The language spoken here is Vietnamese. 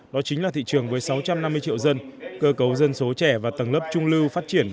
đó chính là thị trường với sáu trăm năm mươi triệu dân cơ cấu dân số trẻ và tầng lớp trung lưu phát triển